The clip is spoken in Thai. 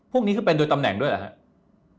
พวกนี้คือเป็นโดยตำแหน่งด้วยเหรอครับ